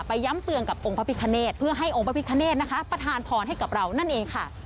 ย้ำเตือนกับองค์พระพิคเนตเพื่อให้องค์พระพิคเนธนะคะประธานพรให้กับเรานั่นเองค่ะ